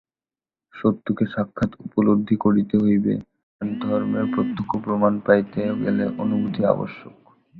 সত্যকে সাক্ষাৎ উপলব্ধি করিতে হইবে, আর ধর্মের প্রত্যক্ষ প্রমাণ পাইতে গেলে অনুভূতি আবশ্যক।